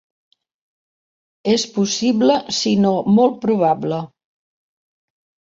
És possible sinó molt probable.